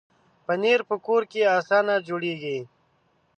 پنېر په کور کې اسانه جوړېږي.